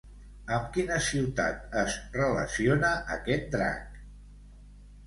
Amb quina ciutat es relaciona aquest drac?